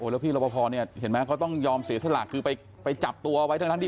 แล้วพี่รปภเห็นมั้ยเขาต้องยอมเสียสละคือไปจับตัวเอาไว้ทั้งทั้งที่